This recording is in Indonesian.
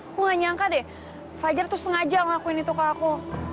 aku gak nyangka deh fajar tuh sengaja ngelakuin itu ke aku